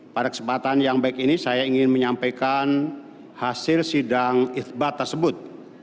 pada kesempatan yang baik ini saya ingin menyampaikan hasil sidang isbat tersebut